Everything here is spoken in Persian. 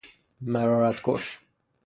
مرارت کش